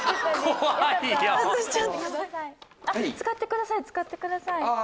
使ってください